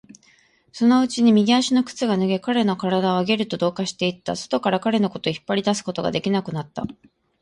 そのうちに右足の靴が脱げ、彼の体はゲルと同化していった。外から彼のことを引っ張り出すことができなくなった。